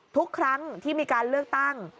ทุกครั้งที่มีการเลือกตั้ง